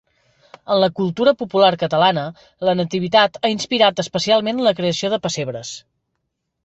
En la cultura popular catalana, la Nativitat ha inspirat especialment la creació de pessebres.